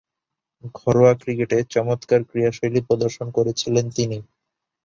ঘরোয়া ক্রিকেটে চমৎকার ক্রীড়াশৈলী প্রদর্শন করেছিলেন তিনি।